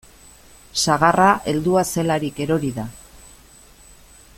Sagarra heldua zelarik erori da.